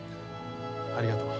ありがとう。